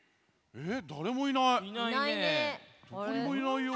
えっ？